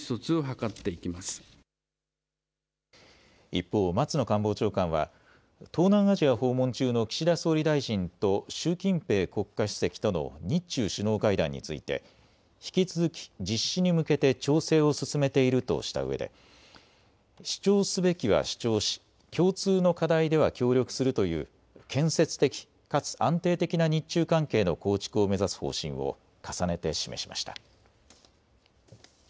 一方、松野官房長官は東南アジア訪問中の岸田総理大臣と習近平国家主席との日中首脳会談について引き続き実施に向けて調整を進めているとしたうえで主張すべきは主張し、共通の課題では協力するという建設的かつ安定的な日中関係の構築を目指す方針を重ねて示しました。